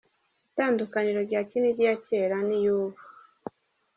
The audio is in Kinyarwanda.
Itandukaniro rya Kinigi ya kera n’iy’ubu.